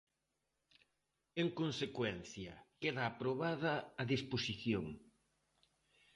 En consecuencia, queda aprobada a disposición.